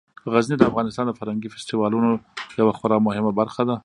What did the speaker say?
غزني د افغانستان د فرهنګي فستیوالونو یوه خورا مهمه برخه ده.